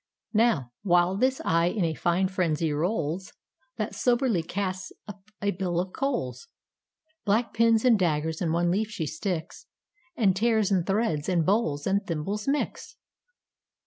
Now, while this eye in a fine frenzy rolls, That soberly casts up a bill for coals; Black pins and daggers in one leaf she sticks, And tears, and threads, and bowls, and thimbles mix.